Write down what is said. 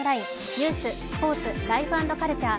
ニュース、スポーツ、ライフ＆カルチャー